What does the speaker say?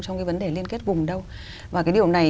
trong cái vấn đề liên kết vùng đâu và cái điều này